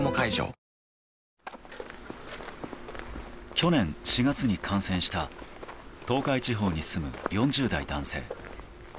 去年４月に感染した東海地方に住む４０代男性。